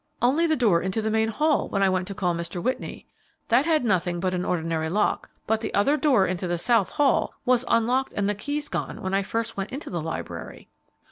"Only the door into the main hall when I went to call Mr. Whitney, that had nothing but an ordinary lock; but the other door, into the south hall, was unlocked and the keys gone when I first went into the library."